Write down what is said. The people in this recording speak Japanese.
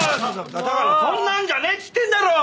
だからそんなんじゃねえっつってんだろお前！